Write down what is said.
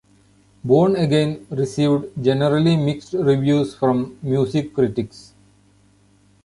"Born Again" received generally mixed reviews from music critics.